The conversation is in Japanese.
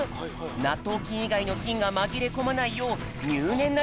なっとうきんいがいのきんがまぎれこまないようにゅうねんな